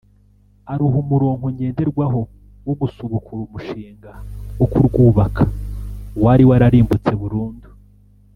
aruha umurongo ngenderwaho wo gusubukura umushinga wo kurwubaka wari wararimbutse burundu